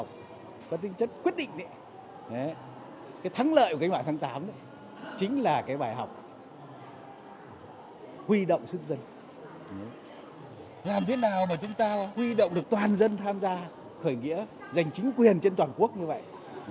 nhiều dân tham gia khởi nghĩa giành chính quyền trên toàn quốc như vậy